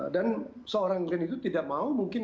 dan seorang glenn itu tidak mau mungkin